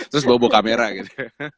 terus bawa kamera gitu